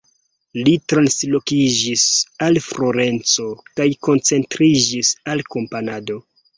Li translokiĝis al Florenco kaj koncentriĝis al komponado.